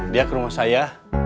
dia ke rumah saya